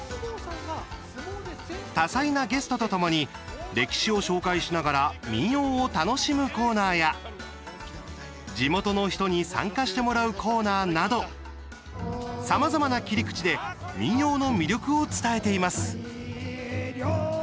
多彩なゲストとともに歴史を紹介しながら民謡を楽しむコーナーや地元の人に参加してもらうコーナーなどさまざまな切り口で民謡の魅力を伝えています。